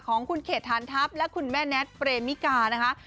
ของคุณเขตฐานทัพและคุณแม่แน็ตเปรมมิกานะคะ